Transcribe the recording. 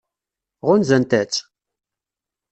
Ɣunzant-tt?